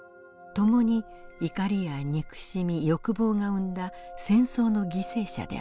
共に怒りや憎しみ欲望が生んだ戦争の犠牲者である。